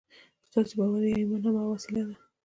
ستاسې باور يا ايمان هماغه وسيله ده.